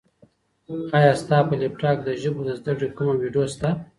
ایا ستا په لیپټاپ کي د ژبو د زده کړې کومه ویډیو شته؟